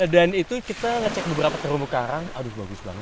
dan itu kita ngecek beberapa terumbu karang aduh bagus banget